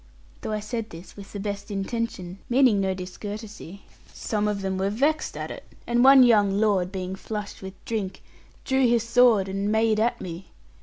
Though I said this with the best intention, meaning no discourtesy, some of them were vexed at it; and one young lord, being flushed with drink, drew his sword and made at me.